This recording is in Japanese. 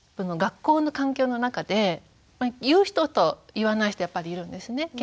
学校の環境の中で言う人と言わない人やっぱりいるんですね。